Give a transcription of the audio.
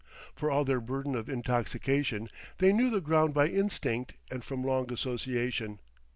For all their burden of intoxication, they knew the ground by instinct and from long association.